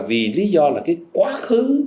vì lý do là cái quá khứ